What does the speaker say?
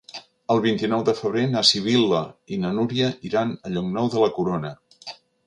El vint-i-nou de febrer na Sibil·la i na Núria iran a Llocnou de la Corona.